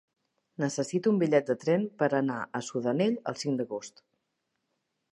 Necessito un bitllet de tren per anar a Sudanell el cinc d'agost.